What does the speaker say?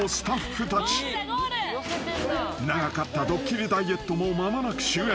［長かったドッキリダイエットも間もなく終焉］